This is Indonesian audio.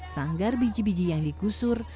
sanggar biji biji yang dikusur